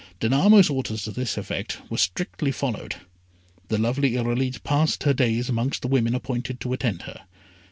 Danamo's orders to this effect were strictly followed. The lovely Irolite passed her days amongst the women appointed to attend her.